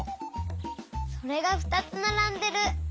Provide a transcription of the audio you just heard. それがふたつならんでる。